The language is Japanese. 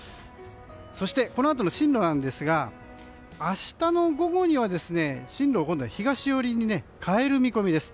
そして、このあとの進路なんですが明日の午後には進路を東寄りに変える見込みです。